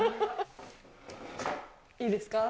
いいですか。